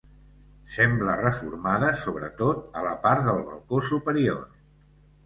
Sembla reformada sobretot a la part del balcó superior.